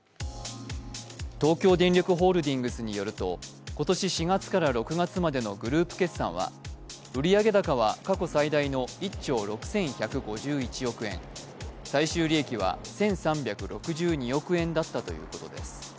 東京電力ホールディングスによると、今年４月から６月までのグループ決算は、売上高は過去最大の１兆６１５１億円、最終利益は１３６２億円だったということです。